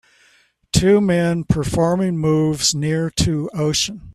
Two men performing moves near to ocean